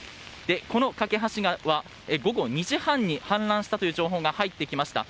この梯川は、午後２時半に氾濫したという情報が入ってきました。